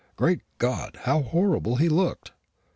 Great God, how horrible he looked!